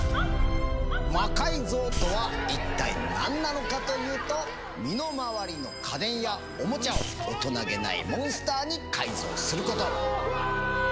「魔改造」とは一体何なのかというと身の回りの家電やオモチャを大人気ないモンスターに改造すること。